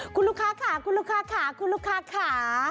คุณลูกค้าขาคุณลูกค้าขาคุณลูกค้าขา